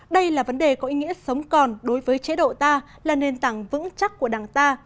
đây là vấn đề có ý nghĩa sống còn đối với chế độ ta là nền tảng vững chắc của đảng ta